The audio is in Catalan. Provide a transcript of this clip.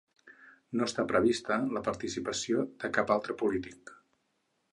No està prevista la participació de cap altre polític.